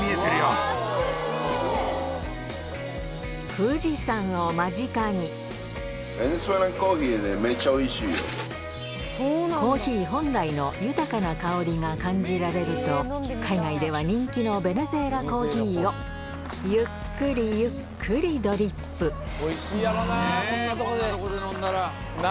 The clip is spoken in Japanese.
富士山を間近にコーヒー本来の豊かな香りが感じられると海外では人気のベネズエラコーヒーをゆっくりゆっくりドリップおいしいやろな。